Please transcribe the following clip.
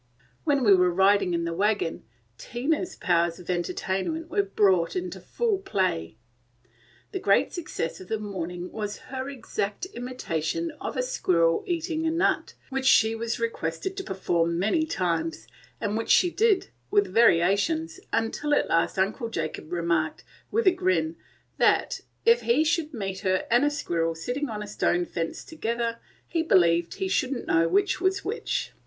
When we were riding in the wagon, Tina's powers of entertainment were brought into full play. The great success of the morning was her exact imitation of a squirrel eating a nut, which she was requested to perform many times, and which she did, with variations, until at last Uncle Jacob remarked, with a grin, that "if he should meet her and a squirrel sitting on a stone fence together, he believed he should n't know which was which."